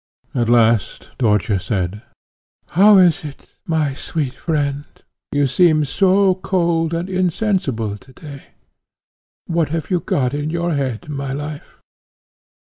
At last Dörtje said, "How is it, my sweet friend, you seem so cold and insensible to day? What have you got in your head, my life?"